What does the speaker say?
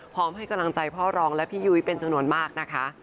ให้กำลังใจพ่อรองและพี่ยุ้ยเป็นจำนวนมากนะคะ